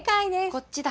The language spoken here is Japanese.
こっちだ。